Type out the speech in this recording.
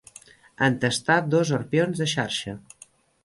Entestar dos arpions de xarxa.